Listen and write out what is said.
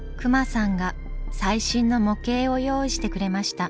隈さんが最新の模型を用意してくれました。